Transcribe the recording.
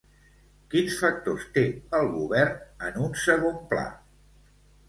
Quins factors té el govern en un segon pla?